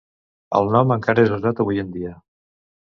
El nom encara és usat avui en dia.